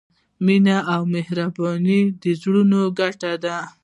مینه او مهرباني زړونه ګټي.